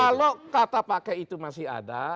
kalau kata pakai itu masih ada